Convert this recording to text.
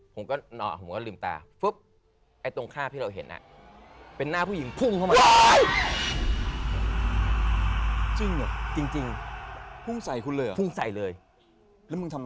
ผมก็นอนผมก็ลืมตาปุ๊บไอ้ตรงคาบที่เราเห็นเป็นหน้าผู้หญิงพุ่งเข้ามา